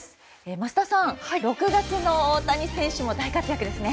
桝田さん、６月の大谷選手も大活躍ですね。